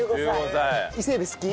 伊勢エビ好き？